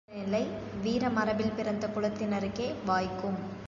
இந்த மனநிலை வீரமரபில் பிறந்த குலத்தினருக்கே வாய்க்கும்.